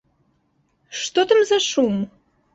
Што там за шум?